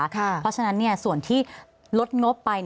เพราะฉะนั้นส่วนที่ลดงบไป